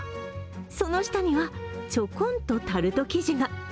その下には、ちょこんとタルト生地が。